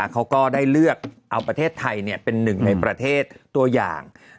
เขาก็ได้เลือกเอาประเทศไทยเป็นหนึ่งในประเทศตัวอย่าง